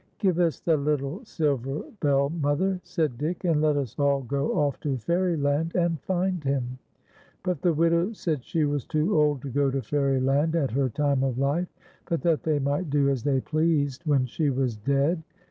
" Give us the little silver bell, mother," said Dick, " and let us all go off to Fairyland and find him." But the widow said she was too old to go to Fairy land at her time of life, but that they might do as they pleased when she was dead.